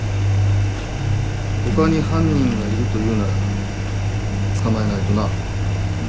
他に犯人がいるというなら捕まえないとな。